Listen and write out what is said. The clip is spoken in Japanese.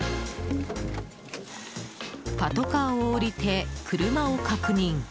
パトカーを降りて車を確認。